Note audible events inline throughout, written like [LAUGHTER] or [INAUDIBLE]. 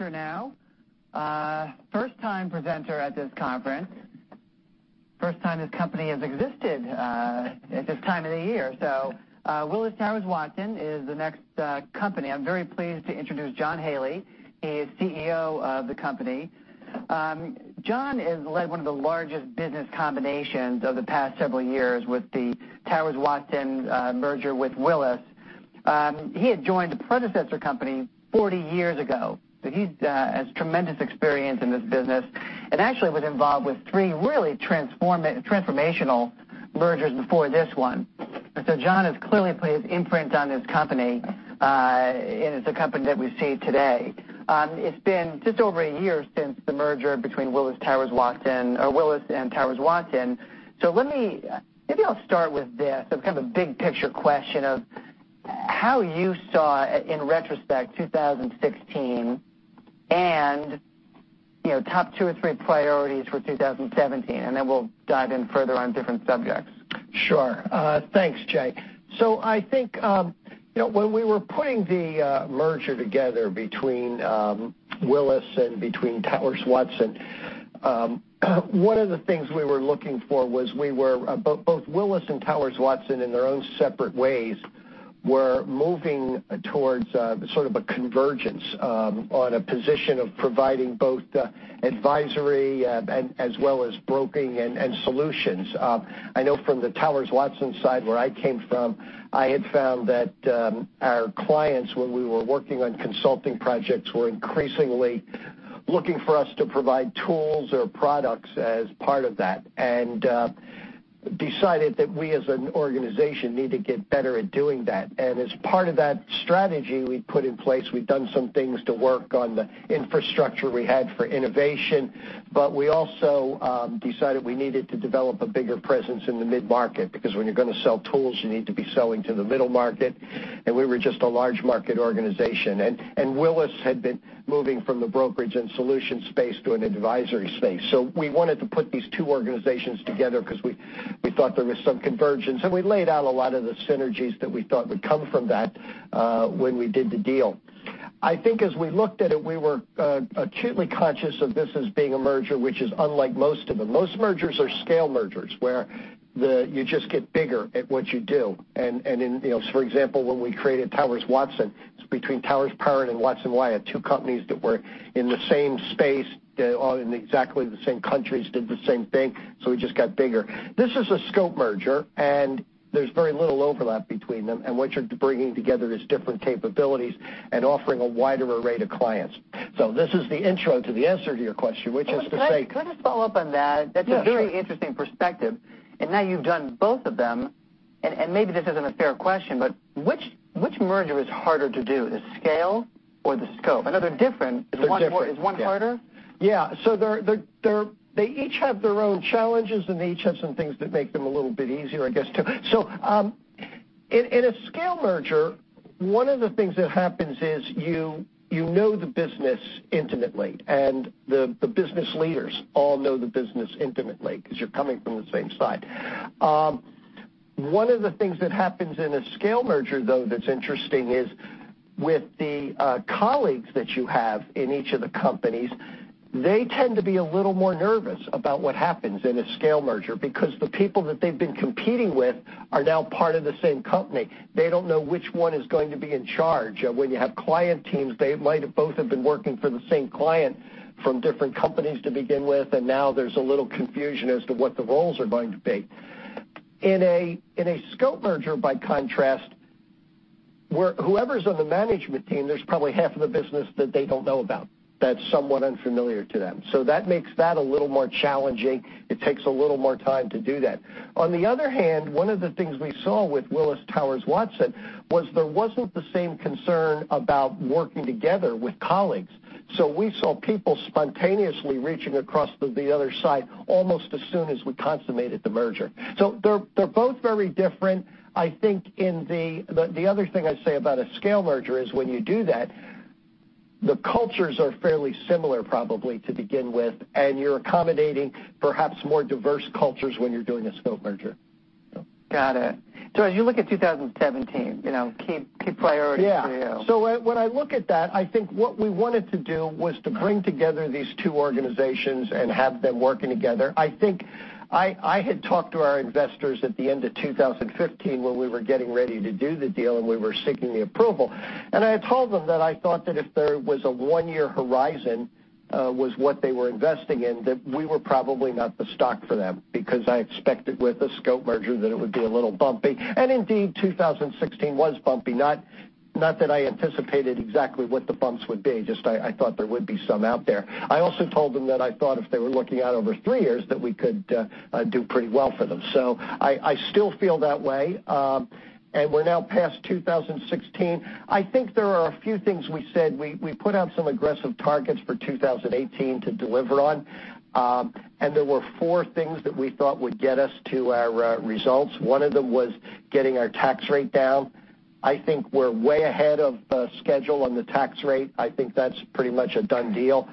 We'll get started with our next presenter now. First-time presenter at this conference. First time this company has existed at this time of the year. Willis Towers Watson is the next company. I'm very pleased to introduce John Haley. He is CEO of the company. John has led one of the largest business combinations of the past several years with the Towers Watson merger with Willis. He had joined the predecessor company 40 years ago, so he has tremendous experience in this business, and actually was involved with three really transformational mergers before this one. John has clearly put his imprint on this company, and it's a company that we see today. It's been just over a year since the merger between Willis Towers Watson or Willis and Towers Watson. Maybe I'll start with this, kind of a big picture question of how you saw, in retrospect, 2016 and top two or three priorities for 2017, and then we'll dive in further on different subjects. Sure. Thanks, Jay. I think when we were putting the merger together between Willis and between Towers Watson, one of the things we were looking for was we were, both Willis and Towers Watson, in their own separate ways, were moving towards sort of a convergence on a position of providing both advisory as well as broking and solutions. I know from the Towers Watson side, where I came from, I had found that our clients, when we were working on consulting projects, were increasingly looking for us to provide tools or products as part of that, and decided that we as an organization need to get better at doing that. As part of that strategy we put in place, we've done some things to work on the infrastructure we had for innovation. We also decided we needed to develop a bigger presence in the mid-market, because when you're going to sell tools, you need to be selling to the middle market, and we were just a large market organization. Willis had been moving from the brokerage and solution space to an advisory space. We wanted to put these two organizations together because we thought there was some convergence, and we laid out a lot of the synergies that we thought would come from that when we did the deal. I think as we looked at it, we were acutely conscious of this as being a merger, which is unlike most of them. Most mergers are scale mergers, where you just get bigger at what you do. For example, when we created Towers Watson, it's between Towers Perrin and Watson Wyatt, two companies that were in the same space, all in exactly the same countries, did the same thing, we just got bigger. This is a scope merger, there's very little overlap between them. What you're bringing together is different capabilities and offering a wider array to clients. This is the intro to the answer to your question, which is to say. Can I just follow up on that? Yeah, sure. That's a very interesting perspective. Now you've done both of them, maybe this isn't a fair question, which merger is harder to do, the scale or the scope? I know they're different. They're different. Is one harder? They each have their own challenges, and they each have some things that make them a little bit easier, I guess, too. In a scale merger, one of the things that happens is you know the business intimately, and the business leaders all know the business intimately because you're coming from the same side. One of the things that happens in a scale merger, though, that's interesting is with the colleagues that you have in each of the companies, they tend to be a little more nervous about what happens in a scale merger because the people that they've been competing with are now part of the same company. They don't know which one is going to be in charge. When you have client teams, they might have both have been working for the same client from different companies to begin with, and now there's a little confusion as to what the roles are going to be. In a scope merger by contrast, whoever's on the management team, there's probably half of the business that they don't know about, that's somewhat unfamiliar to them. That makes that a little more challenging. It takes a little more time to do that. On the other hand, one of the things we saw with Willis Towers Watson was there wasn't the same concern about working together with colleagues. We saw people spontaneously reaching across to the other side almost as soon as we consummated the merger. They're both very different. I think the other thing I'd say about a scale merger is when you do that, the cultures are fairly similar probably to begin with, and you're accommodating perhaps more diverse cultures when you're doing a scope merger. Got it. As you look at 2017, key priorities for you. Yeah. When I look at that, I think what we wanted to do was to bring together these two organizations and have them working together. I think I had talked to our investors at the end of 2015 when we were getting ready to do the deal, and we were seeking the approval, and I had told them that I thought that if there was a one-year horizon was what they were investing in, that we were probably not the stock for them because I expected with a scope merger that it would be a little bumpy. Indeed, 2016 was bumpy. Not that I anticipated exactly what the bumps would be, just I thought there would be some out there. I also told them that I thought if they were looking out over three years, that we could do pretty well for them. I still feel that way. We're now past 2016. I think there are a few things we said. We put out some aggressive targets for 2018 to deliver on. There were four things that we thought would get us to our results. One of them was getting our tax rate down. I think we're way ahead of schedule on the tax rate. I think that's pretty much a done deal.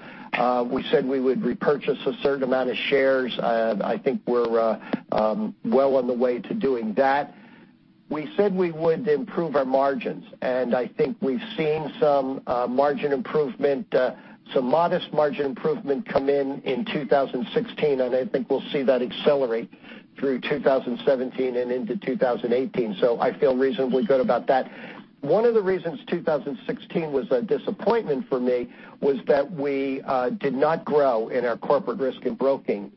We said we would repurchase a certain amount of shares. I think we're well on the way to doing that. We said we would improve our margins, and I think we've seen some margin improvement, some modest margin improvement come in in 2016, and I think we'll see that accelerate through 2017 and into 2018. I feel reasonably good about that. One of the reasons 2016 was a disappointment for me was that we did not grow in our Corporate Risk and Broking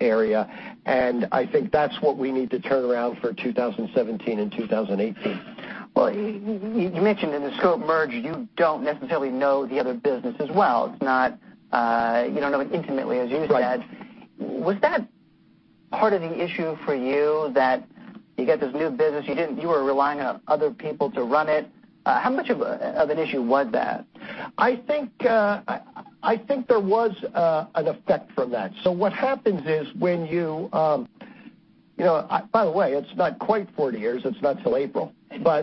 area. I think that's what we need to turn around for 2017 and 2018. Well, you mentioned in a scope merger, you don't necessarily know the other business as well. You don't know it intimately, as you said. Right. Was that part of the issue for you that you got this new business, you were relying on other people to run it? How much of an issue was that? I think there was an effect from that. What happens is when you By the way, it's not quite 40 years, it's not till April. I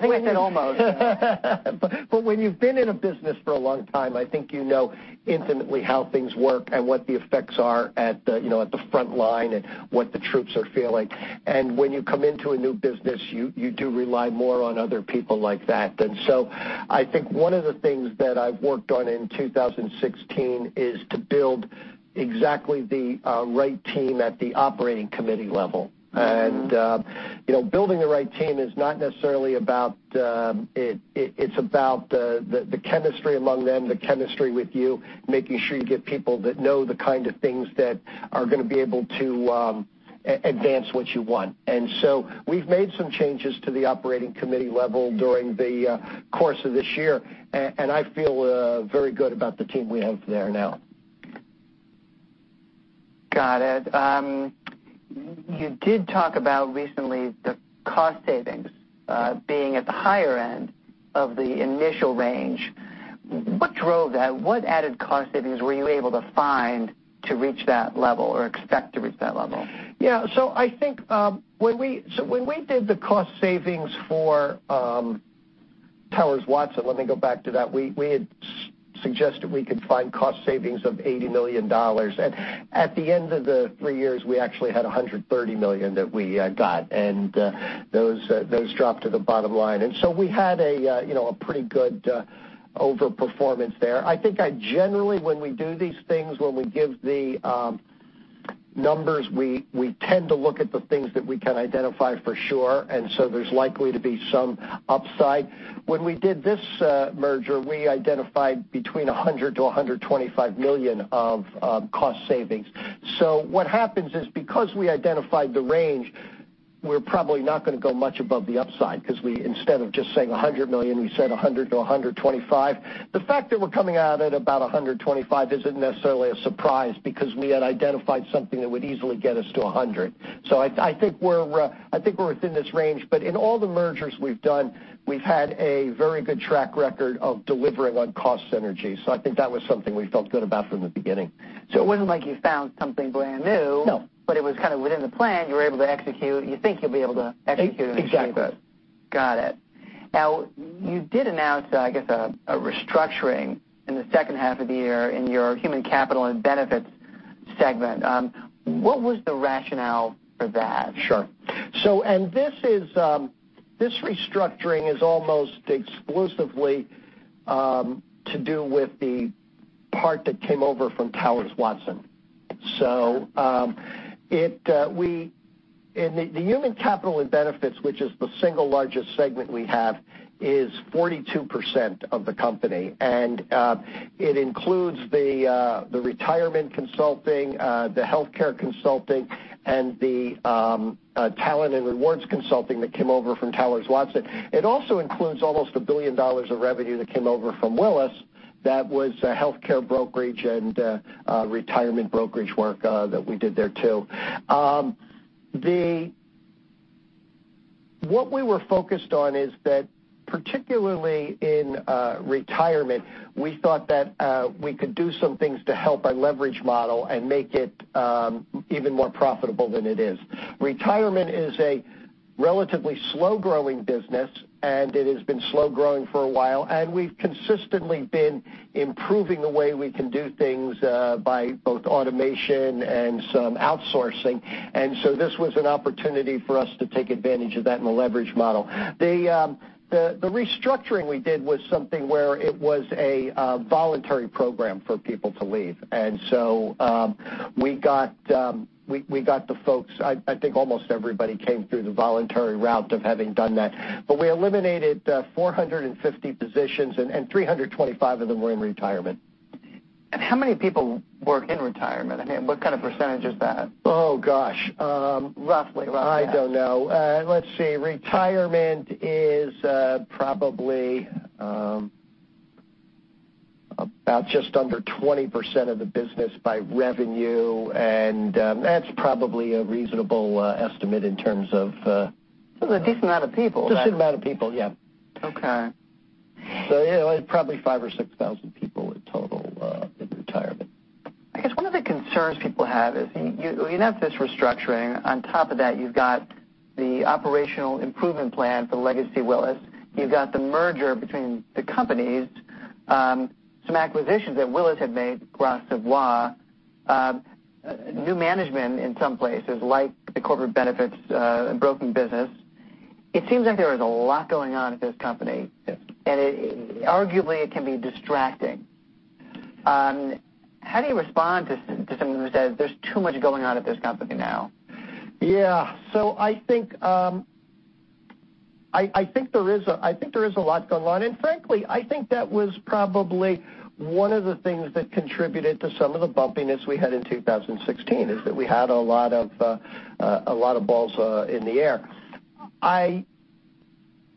think it's almost When you've been in a business for a long time, I think you know intimately how things work and what the effects are at the front line and what the troops are feeling. When you come into a new business, you do rely more on other people like that then. I think one of the things that I've worked on in 2016 is to build exactly the right team at the operating committee level. Building the right team is not necessarily about the, it's about the chemistry among them, the chemistry with you, making sure you get people that know the kind of things that are going to be able to advance what you want. We've made some changes to the operating committee level during the course of this year, and I feel very good about the team we have there now. Got it. You did talk about recently the cost savings being at the higher end of the initial range. What drove that? What added cost savings were you able to find to reach that level or expect to reach that level? I think when we did the cost savings for Towers Watson, let me go back to that, we had suggested we could find cost savings of $80 million. At the end of the three years, we actually had $130 million that we got, those dropped to the bottom line. We had a pretty good over-performance there. I think generally, when we do these things, when we give the numbers, we tend to look at the things that we can identify for sure, there's likely to be some upside. When we did this merger, we identified between $100 million-$125 million of cost savings. What happens is, because we identified the range, we're probably not going to go much above the upside because instead of just saying $100 million, we said $100-$125. The fact that we're coming out at about $125 million isn't necessarily a surprise because we had identified something that would easily get us to $100 million. I think we're within this range, in all the mergers we've done, we've had a very good track record of delivering on cost synergy. I think that was something we felt good about from the beginning. It wasn't like you found something brand new. No. It was kind of within the plan, you were able to execute. You think you'll be able to execute and achieve it. Exactly. Got it. You did announce, I guess, a restructuring in the second half of the year in your Human Capital and Benefits segment. What was the rationale for that? Sure. This restructuring is almost exclusively to do with the part that came over from Towers Watson. The Human Capital and Benefits, which is the single largest segment we have, is 42% of the company, and it includes the retirement consulting, the healthcare consulting, and the talent and rewards consulting that came over from Towers Watson. It also includes almost $1 billion of revenue that came over from Willis that was healthcare brokerage and retirement brokerage work that we did there, too. What we were focused on is that particularly in retirement, we thought that we could do some things to help our leverage model and make it even more profitable than it is. Retirement is a relatively slow-growing business, and it has been slow-growing for a while, and we've consistently been improving the way we can do things by both automation and some outsourcing. This was an opportunity for us to take advantage of that in the leverage model. The restructuring we did was something where it was a voluntary program for people to leave. We got the folks, I think almost everybody came through the voluntary route of having done that. We eliminated 450 positions, and 325 of them were in retirement. How many people work in retirement? What kind of percentage is that? Oh, gosh. Roughly. I don't know. Let's see. Retirement is probably about just under 20% of the business by revenue, and that's probably a reasonable estimate. A decent amount of people. A decent amount of people, yeah. Okay. Yeah, probably 5,000 or 6,000 people in total in retirement. I guess one of the concerns people have is you have this restructuring. On top of that, you've got the Operational Improvement Program for legacy Willis. You've got the merger between the companies, some acquisitions that Willis had made, Gras Savoye New management in some places, like the corporate benefits and broking business, it seems like there is a lot going on at this company. Yes. Arguably, it can be distracting. How do you respond to someone who says there's too much going on at this company now? I think there is a lot going on, and frankly, I think that was probably one of the things that contributed to some of the bumpiness we had in 2016, is that we had a lot of balls in the air. I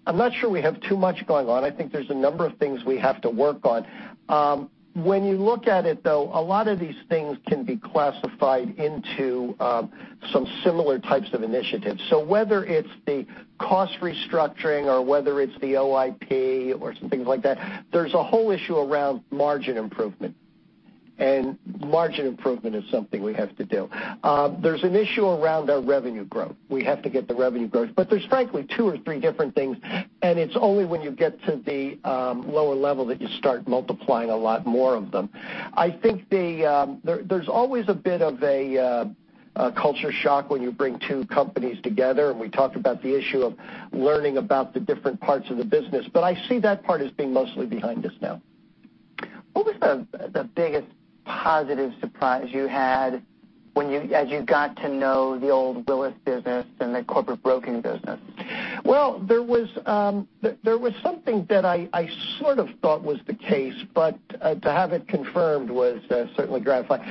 am not sure we have too much going on. I think there is a number of things we have to work on. When you look at it, though, a lot of these things can be classified into some similar types of initiatives. Whether it is the cost restructuring or whether it is the OIP or some things like that, there is a whole issue around margin improvement, and margin improvement is something we have to do. There is an issue around our revenue growth. We have to get the revenue growth. There is frankly two or three different things, and it is only when you get to the lower level that you start multiplying a lot more of them. I think there is always a bit of a culture shock when you bring two companies together, and we talked about the issue of learning about the different parts of the business. I see that part as being mostly behind us now. What was the biggest positive surprise you had as you got to know the old Willis business and the Corporate Risk and Broking business? There was something that I sort of thought was the case, to have it confirmed was certainly gratifying.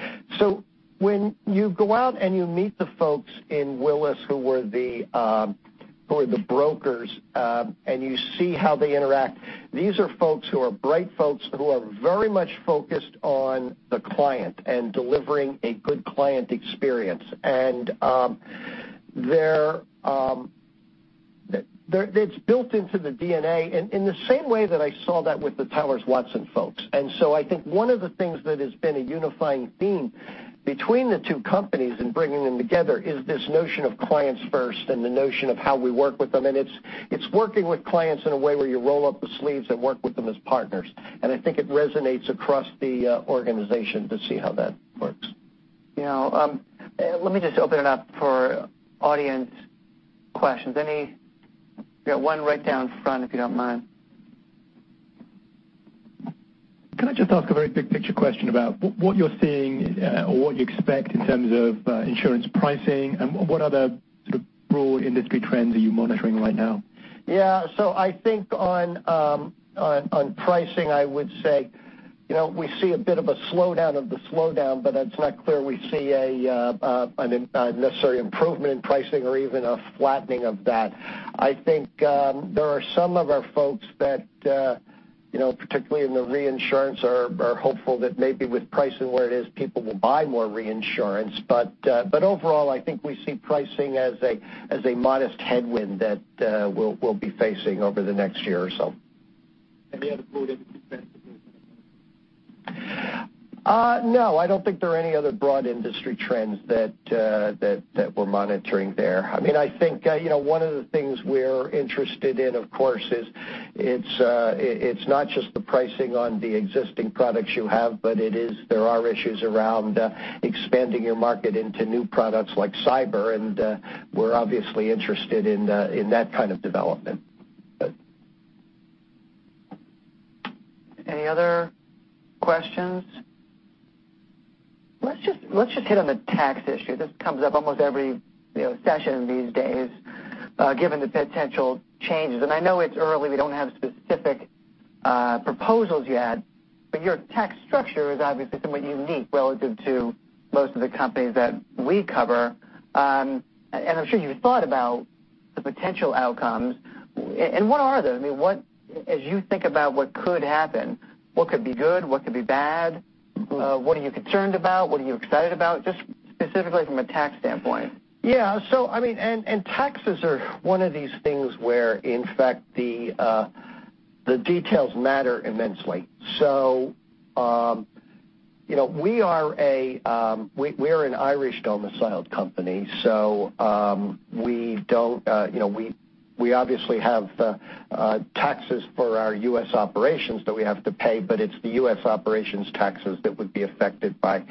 When you go out and you meet the folks in Willis who were the brokers, and you see how they interact, these are folks who are bright folks who are very much focused on the client and delivering a good client experience. It is built into the DNA in the same way that I saw that with the Towers Watson folks. I think one of the things that has been a unifying theme between the two companies in bringing them together is this notion of clients first and the notion of how we work with them. It is working with clients in a way where you roll up the sleeves and work with them as partners. I think it resonates across the organization to see how that works. Let me just open it up for audience questions. Any? We got one right down front, if you don't mind. Can I just ask a very big-picture question about what you're seeing or what you expect in terms of insurance pricing and what other sort of broad industry trends are you monitoring right now? I think on pricing, I would say we see a bit of a slowdown of the slowdown, it's not clear we see a necessary improvement in pricing or even a flattening of that. I think there are some of our folks that, particularly in the reinsurance, are hopeful that maybe with pricing where it is, people will buy more reinsurance. Overall, I think we see pricing as a modest headwind that we'll be facing over the next year or so. Any other broad industry trends that you're looking at? No, I don't think there are any other broad industry trends that we're monitoring there. I think one of the things we're interested in, of course, is it's not just the pricing on the existing products you have, but there are issues around expanding your market into new products like cyber, and we're obviously interested in that kind of development. Any other questions? Let's just hit on the tax issue. This comes up almost every session these days given the potential changes. I know it's early, we don't have specific proposals yet, but your tax structure is obviously somewhat unique relative to most of the companies that we cover. I'm sure you've thought about the potential outcomes. What are those? As you think about what could happen, what could be good, what could be bad? What are you concerned about? What are you excited about? Just specifically from a tax standpoint. Yeah. Taxes are one of these things where, in fact, the details matter immensely. We are an Irish-domiciled company, so we obviously have taxes for our U.S. operations that we have to pay, but it's the U.S. operations taxes that would be affected by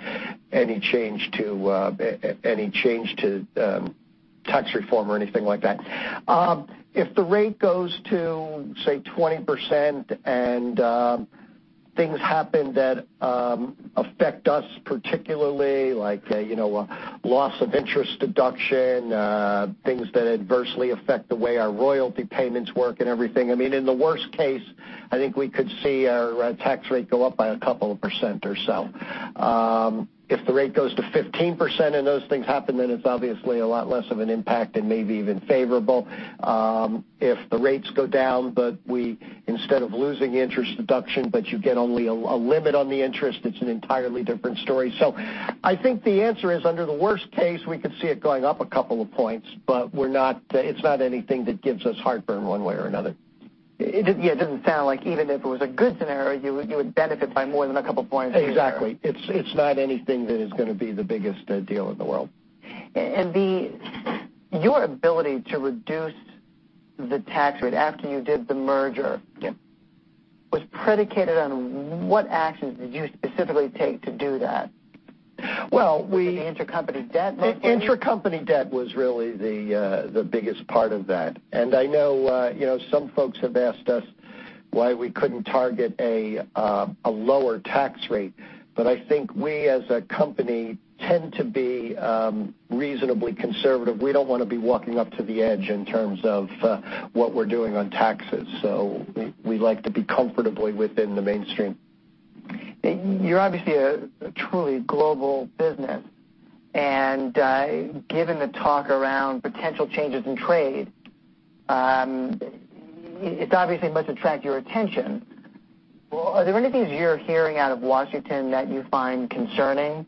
any change to tax reform or anything like that. If the rate goes to, say, 20% and things happen that affect us particularly, like a loss of interest deduction, things that adversely affect the way our royalty payments work and everything, in the worst case, I think we could see our tax rate go up by a couple of percent or so. If the rate goes to 15% and those things happen, it's obviously a lot less of an impact and maybe even favorable. If the rates go down, but instead of losing interest deduction, but you get only a limit on the interest, it's an entirely different story. I think the answer is, under the worst case, we could see it going up a couple of points, but it's not anything that gives us heartburn one way or another. Yeah, it doesn't sound like even if it was a good scenario, you would benefit by more than a couple points either. Exactly. It's not anything that is going to be the biggest deal in the world. Your ability to reduce the tax rate after you did the merger. Yeah Was predicated on what actions did you specifically take to do that? Well, The intra-company debt mostly? Intra-company debt was really the biggest part of that. I know some folks have asked us why we couldn't target a lower tax rate, but I think we as a company tend to be reasonably conservative. We don't want to be walking up to the edge in terms of what we're doing on taxes. We like to be comfortably within the mainstream. You're obviously a truly global business, given the talk around potential changes in trade, it obviously must attract your attention. Are there any things you're hearing out of Washington that you find concerning?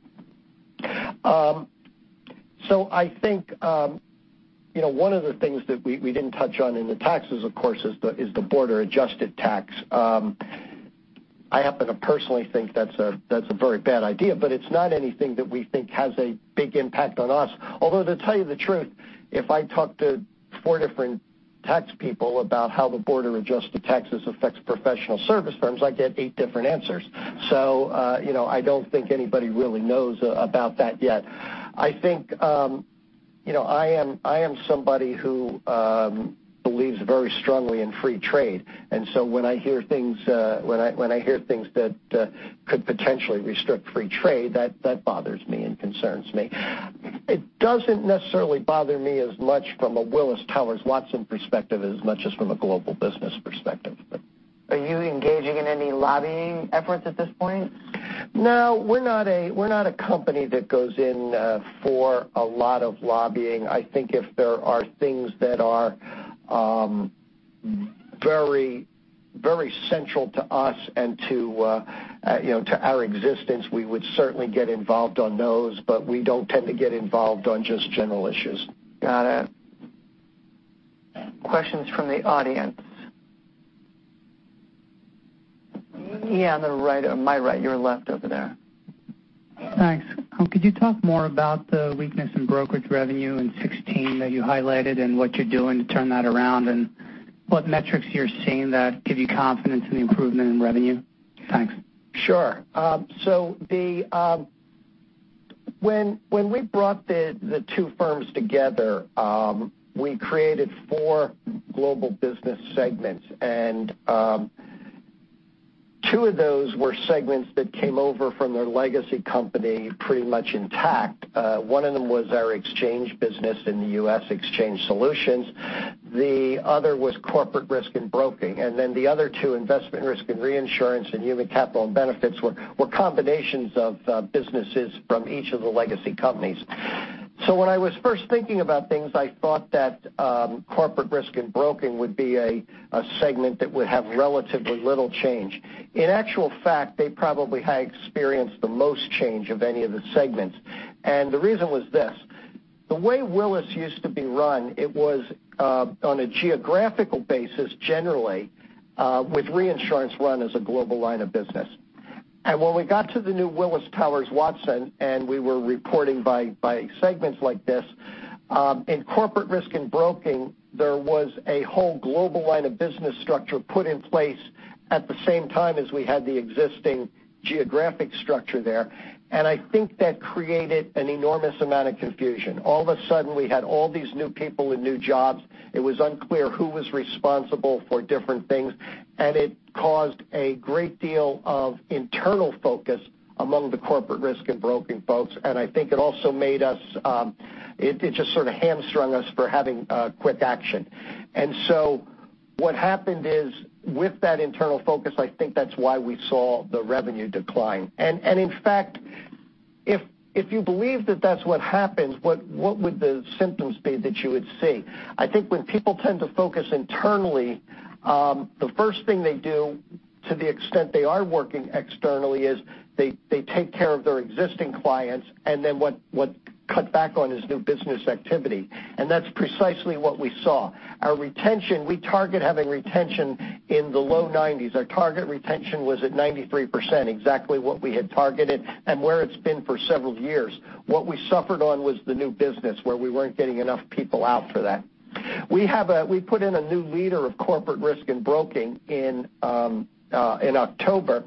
I think, one of the things that we didn't touch on in the taxes, of course, is the border-adjusted tax. I happen to personally think that's a very bad idea, it's not anything that we think has a big impact on us. Although, to tell you the truth, if I talk to four different tax people about how the border-adjusted taxes affects professional service firms, I get eight different answers. I don't think anybody really knows about that yet. I am somebody who believes very strongly in free trade, when I hear things that could potentially restrict free trade, that bothers me and concerns me. It doesn't necessarily bother me as much from a Willis Towers Watson perspective, as much as from a global business perspective. Are you engaging in any lobbying efforts at this point? No, we're not a company that goes in for a lot of lobbying. I think if there are things that are very central to us and to our existence, we would certainly get involved on those, we don't tend to get involved on just general issues. Got it. Questions from the audience. Yeah, on my right, your left over there. Thanks. Could you talk more about the weakness in brokerage revenue in 2016 that you highlighted and what you're doing to turn that around? What metrics you're seeing that give you confidence in the improvement in revenue? Thanks. Sure. When we brought the two firms together, we created four global business segments, and two of those were segments that came over from their legacy company pretty much intact. One of them was our exchange business in the U.S. Exchange Solutions. The other was Corporate Risk and Broking. The other two, Investment, Risk and Reinsurance and Human Capital and Benefits, were combinations of businesses from each of the legacy companies. When I was first thinking about things, I thought that Corporate Risk and Broking would be a segment that would have relatively little change. In actual fact, they probably have experienced the most change of any of the segments. The reason was this. The way Willis used to be run, it was on a geographical basis, generally, with reinsurance run as a global line of business. When we got to the new Willis Towers Watson, and we were reporting by segments like this, in Corporate Risk and Broking, there was a whole global line of business structure put in place at the same time as we had the existing geographic structure there. I think that created an enormous amount of confusion. All of a sudden, we had all these new people in new jobs. It was unclear who was responsible for different things, and it caused a great deal of internal focus among the Corporate Risk and Broking folks, and I think it just sort of hamstrung us for having quick action. What happened is, with that internal focus, I think that's why we saw the revenue decline. In fact, if you believe that that's what happens, what would the symptoms be that you would see? I think when people tend to focus internally, the first thing they do, to the extent they are working externally, is they take care of their existing clients, and then what cut back on is new business activity. That's precisely what we saw. Our retention, we target having retention in the low 90s. Our target retention was at 93%, exactly what we had targeted and where it's been for several years. What we suffered on was the new business, where we weren't getting enough people out for that. We put in a new leader of Corporate Risk and Broking in October,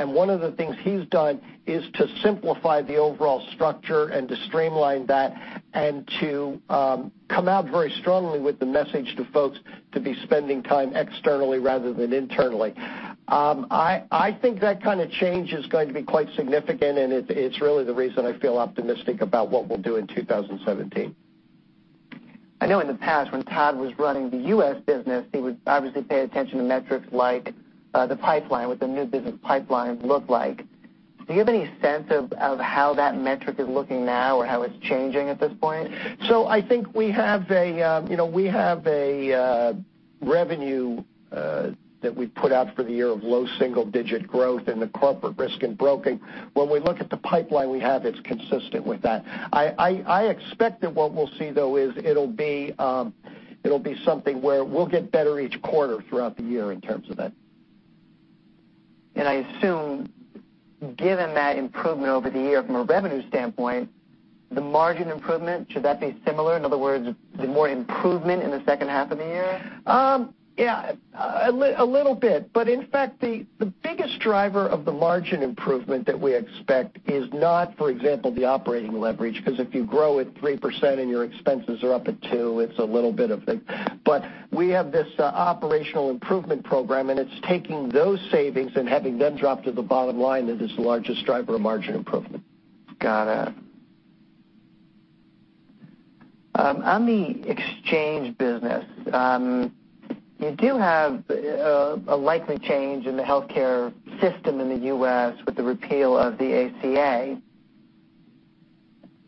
and one of the things he's done is to simplify the overall structure and to streamline that and to come out very strongly with the message to folks to be spending time externally rather than internally. I think that kind of change is going to be quite significant, and it's really the reason I feel optimistic about what we'll do in 2017. I know in the past when Todd was running the U.S. business, he would obviously pay attention to metrics like the pipeline, what the new business pipeline looked like. Do you have any sense of how that metric is looking now or how it's changing at this point? I think we have a revenue that we put out for the year of low single digit growth in the Corporate Risk and Broking. When we look at the pipeline we have, it's consistent with that. I expect that what we'll see, though, is it'll be something where we'll get better each quarter throughout the year in terms of that. I assume Given that improvement over the year from a revenue standpoint, the margin improvement, should that be similar? In other words, the more improvement in the second half of the year? Yeah, a little bit. In fact, the biggest driver of the margin improvement that we expect is not, for example, the operating leverage, because if you grow at 3% and your expenses are up at two, it's a little bit of. We have this Operational Improvement Program, and it's taking those savings and having them drop to the bottom line that is the largest driver of margin improvement. Got it. On the exchange business, you do have a likely change in the healthcare system in the U.S. with the repeal of the ACA.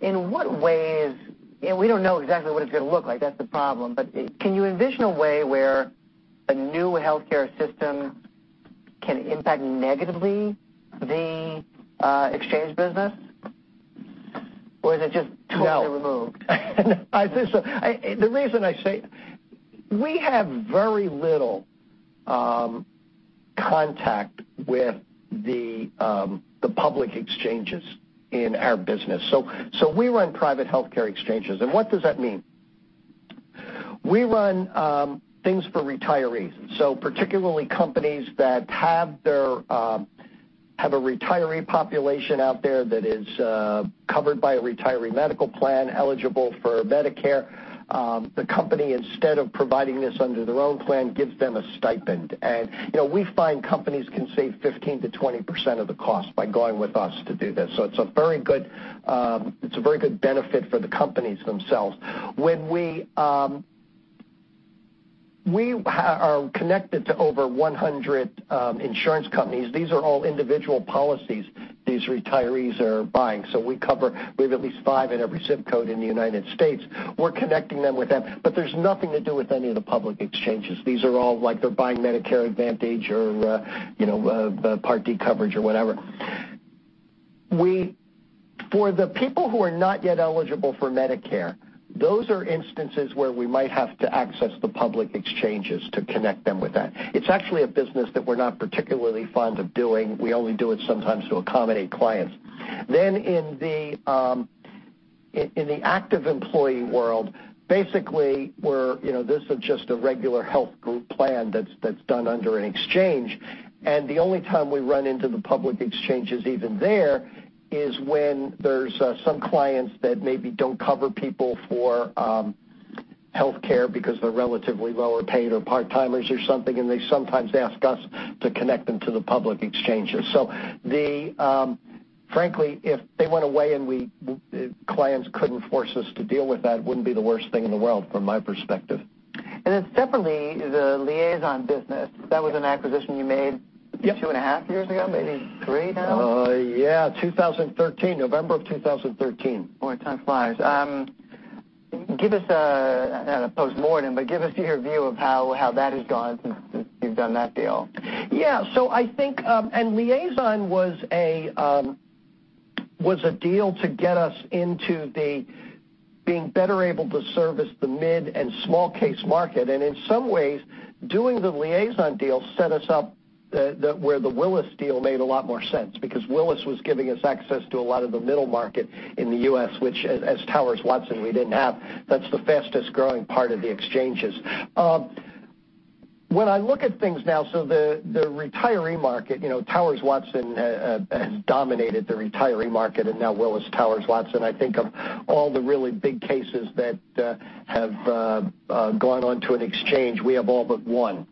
In what ways, and we don't know exactly what it's going to look like, that's the problem, can you envision a way where a new healthcare system can impact negatively the exchange business? Is it just totally removed? No. The reason I say, we have very little contact with the public exchanges in our business. We run private healthcare exchanges. What does that mean? We run things for retirees, particularly companies that have a retiree population out there that is covered by a retiree medical plan eligible for Medicare. The company, instead of providing this under their own plan, gives them a stipend. We find companies can save 15%-20% of the cost by going with us to do this. It's a very good benefit for the companies themselves. We are connected to over 100 insurance companies. These are all individual policies these retirees are buying. We cover, we have at least five in every ZIP code in the U.S. We're connecting them with them, there's nothing to do with any of the public exchanges. These are all like they're buying Medicare Advantage or Part D coverage or whatever. For the people who are not yet eligible for Medicare, those are instances where we might have to access the public exchanges to connect them with that. It's actually a business that we're not particularly fond of doing. We only do it sometimes to accommodate clients. Then in the active employee world, basically, this is just a regular health group plan that's done under an exchange. The only time we run into the public exchanges even there is when there's some clients that maybe don't cover people for healthcare because they're relatively lower paid or part-timers or something, and they sometimes ask us to connect them to the public exchanges. Frankly, if they went away and clients couldn't force us to deal with that, it wouldn't be the worst thing in the world from my perspective. Separately, the Liazon business, that was an acquisition you made two and a half years ago, maybe three now? Yeah, 2013, November of 2013. Boy, time flies. Give us a, not a postmortem, but give us your view of how that has gone since you've done that deal. Yeah. I think, Liazon was a deal to get us into the being better able to service the mid and small case market. In some ways, doing the Liazon deal set us up where the Willis deal made a lot more sense because Willis was giving us access to a lot of the middle market in the U.S., which as Towers Watson, we didn't have. That's the fastest-growing part of the exchanges. When I look at things now, the retiree market, Towers Watson has dominated the retiree market, and now Willis Towers Watson, I think of all the really big cases that have gone on to an exchange, we have all but one.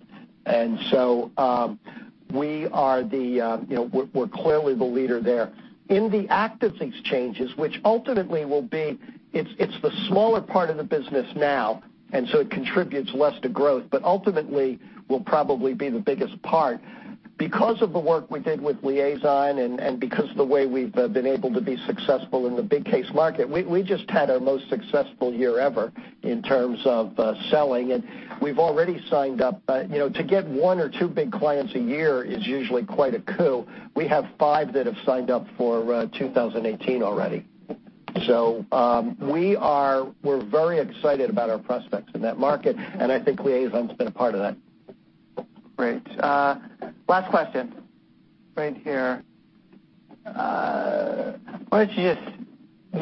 We're clearly the leader there. In the active exchanges, which ultimately will be, it's the smaller part of the business now, it contributes less to growth, but ultimately will probably be the biggest part. Because of the work we did with Liazon and because of the way we've been able to be successful in the big case market, we just had our most successful year ever in terms of selling, and we've already signed up. To get one or two big clients a year is usually quite a coup. We have five that have signed up for 2018 already. We're very excited about our prospects in that market, and I think Liazon's been a part of that. Great. Last question. Right here. Why don't you just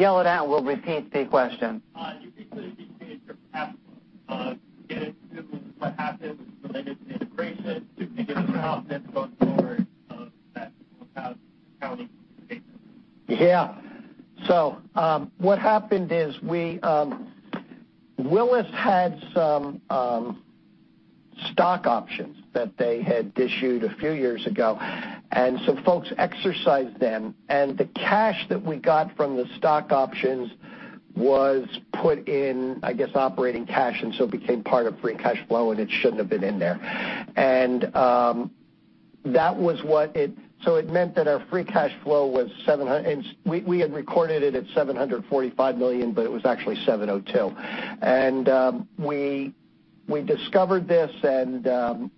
yell it out and we'll repeat the question. Can you please give us your capital, again, what happened related to the integration, significant profits going forward. [INAUDIBLE] Yeah. What happened is Willis had some stock options that they had issued a few years ago, and some folks exercised them, and the cash that we got from the stock options was put in, I guess, operating cash, and so it became part of free cash flow, and it shouldn't have been in there. It meant that our free cash flow was, we had recorded it at $745 million, but it was actually $702. We discovered this, and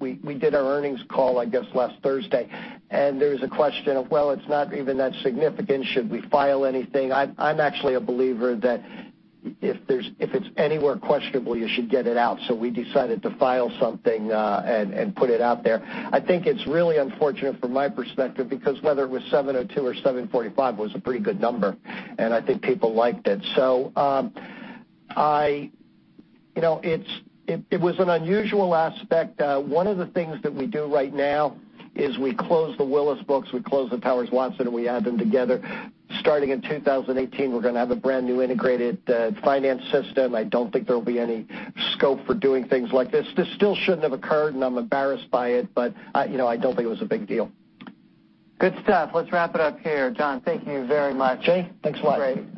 we did our earnings call, I guess, last Thursday. There was a question of, well, it's not even that significant. Should we file anything? I'm actually a believer that if it's anywhere questionable, you should get it out. We decided to file something and put it out there. I think it's really unfortunate from my perspective because whether it was $702 or $745, it was a pretty good number, and I think people liked it. It was an unusual aspect. One of the things that we do right now is we close the Willis books, we close the Towers Watson, and we add them together. Starting in 2018, we're going to have a brand new integrated finance system. I don't think there will be any scope for doing things like this. This still shouldn't have occurred, and I'm embarrassed by it, but I don't think it was a big deal. Good stuff. Let's wrap it up here. John, thank you very much. Jay, thanks a lot. Great. Thank you.